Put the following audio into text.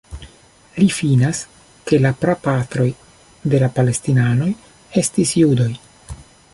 Li finas ke la prapatroj de la Palestinanoj estis judoj.